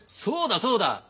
そうだそうだ。